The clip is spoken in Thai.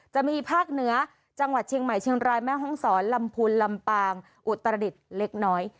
จะมีภาคเหนือจังหวัดเชียงใหม่เชียงรายแม่ห้องศรลำพูนลำปางอุตรดิษฐ์เล็กน้อย